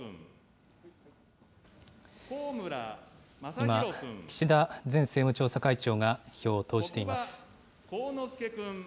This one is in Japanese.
今、岸田前政務調査会長が票を投じています。